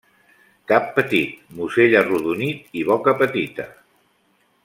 Cap petit, musell arrodonit i boca petita.